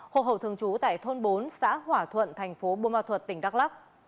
hộ hậu thường trú tại thôn bốn xã hỏa thuận thành phố bô ma thuật tỉnh đắk lắk